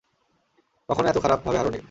কখনো এত খারাপ ভাবে হারনি।